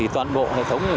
toàn bộ hệ thống